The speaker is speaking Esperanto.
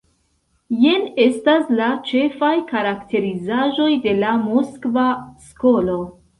Jen estas la ĉefaj karakterizaĵoj de la Moskva skolo.